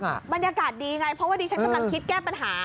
บรรยากาศดีไงเพราะว่าดิฉันกำลังคิดแก้ปัญหา